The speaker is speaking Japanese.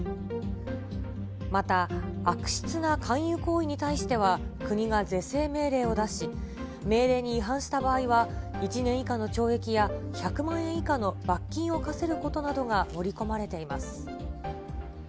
また悪質な勧誘行為に対しては、国が是正命令を出し、命令に違反した場合は、１年以下の懲役や１００万円以下の罰金を科せることなどが盛り込まれています。